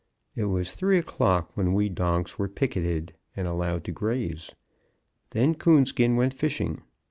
It was three o'clock when we donks were picketed and allowed to graze. Then Coonskin went fishing.